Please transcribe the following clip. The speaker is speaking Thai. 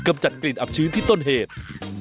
จัดกลิ่นอับชื้นที่ต้นเหตุ